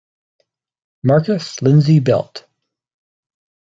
Marcus Lindsey Belt.